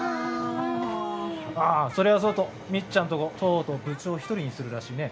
ああそれはそうとミッちゃんとことうとう部長を一人にするらしいね。